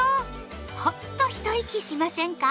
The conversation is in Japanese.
ホッと一息しませんか？